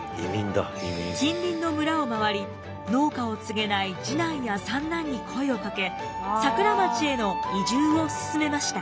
近隣の村を回り農家を継げない次男や三男に声をかけ桜町への移住を勧めました。